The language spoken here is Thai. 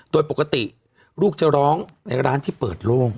โดยปกติลูกจะร้องในร้านที่เปิดโล่ง